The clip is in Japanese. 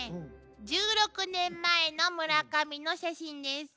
１６年前の村上の写真です。